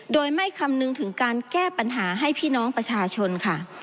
โดยไม่คำนึงถึงการแก้ปัญหาให้พี่น้องประชาชนค่ะ